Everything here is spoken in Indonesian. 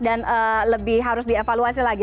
lebih harus dievaluasi lagi